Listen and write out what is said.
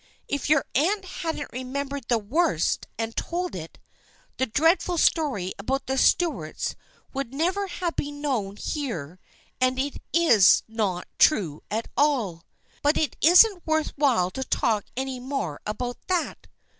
If your aunt hadn't remembered the worst and told it, the dreadful story about the Stuarts would never have been known here, and it is not true at all. But it isn't worth while to talk any more about that.